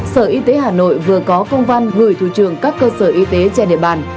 sở y tế hà nội vừa có công văn gửi thủ trưởng các cơ sở y tế trên địa bàn